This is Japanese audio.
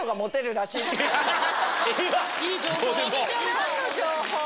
何の情報？